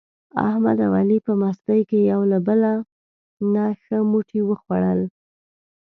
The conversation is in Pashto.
احمد او علي په مستۍ کې یو له بل نه ښه موټي و خوړل.